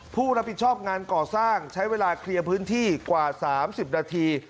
ผู้รับผิดชอบงานก่อสร้างใช้เวลาเคลียร์พื้นที่กว่า๓๐นาที